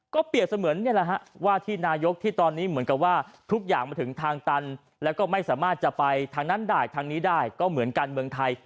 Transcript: เปรียบเสมือนนี่แหละฮะว่าที่นายกที่ตอนนี้เหมือนกับว่าทุกอย่างมาถึงทางตันแล้วก็ไม่สามารถจะไปทางนั้นได้ทางนี้ได้ก็เหมือนกันเมืองไทย